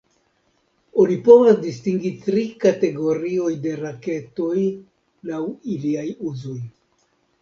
Oni povas distingi tri kategorioj de raketoj laŭ iliaj uzoj.